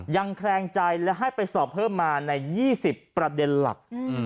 แคลงใจและให้ไปสอบเพิ่มมาใน๒๐ประเด็นหลัก